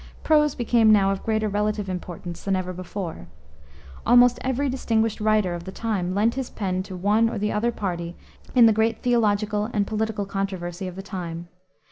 Prose became now of greater relative importance than ever before. Almost every distinguished writer of the time lent his pen to one or the other party in the great theological and political controversy of the time.